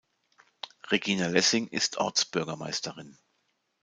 Regina Lessing ist Ortsbürgermeisterin.